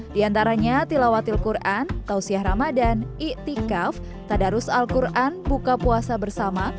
di antaranya tilawatil quran tausiyah ramadan i tikaf tadarus al quran buka puasa bersama